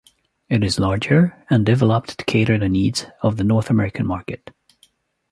It is larger and developed to cater the needs of the North American market.